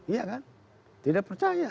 iya kan tidak percaya